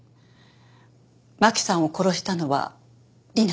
真輝さんを殺したのは理奈だ。